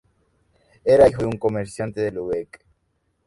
Era hijo de un comerciante de Lübeck.